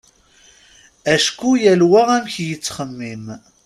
Acku yal wa amek yettxemmim.